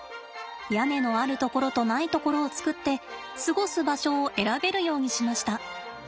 屋根のあるところとないところを作って過ごす場所を選べるようにしました。